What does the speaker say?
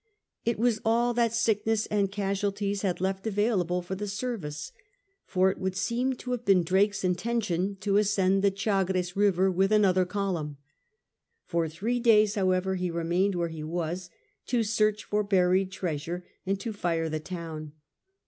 It was all that sickness and casualties had left available for the service, for it would seem to have been Drake's intention to ascend the Chagres river with another column. For three days, however, he remained where he was, to search for buried treasure and to fire the town.